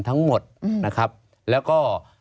ทั้งหมดแล้วก็